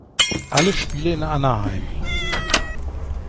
Alle Spiele in Anaheim.